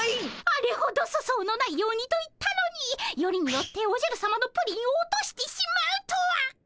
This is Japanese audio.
あれほど粗相のないようにと言ったのによりによっておじゃるさまのプリンを落としてしまうとは！